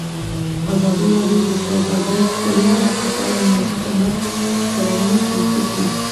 ازادي راډیو د سوداګریز تړونونه پر اړه مستند خپرونه چمتو کړې.